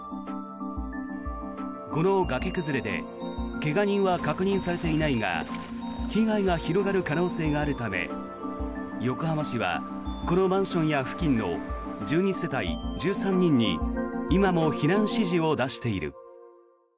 この崖崩れで怪我人は確認されていないが被害が広がる可能性があるため横浜市はこのマンションや付近の１２世帯１３人に今も避難指示を出している。